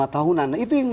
tahunan nah itu yang